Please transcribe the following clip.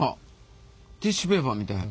ティッシュペーパーみたい。